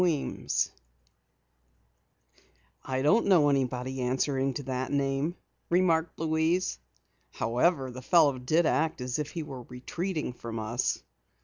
WEEMS_ "I don't know anyone answering to that name," remarked Louise. "However, the fellow did act as if he were retreating from us."